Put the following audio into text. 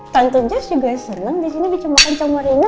tentu jazz juga senang disini bisa makan comorinnya